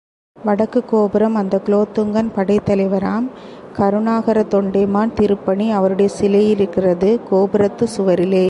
வடக்குக்கோபுரம், அந்தக் குலோத்துங்கன் படைத் தலைவராம் கருணாகரத் தொண்டைமான் திருப்பணி, அவருடைய சிலையிருக்கிறது கோபுரத்துச் சுவரிலே.